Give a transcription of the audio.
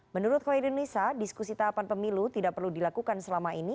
menurut khairun nisa diskusi tahapan pemilu tidak perlu dilakukan selama ini